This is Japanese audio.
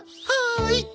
「はい」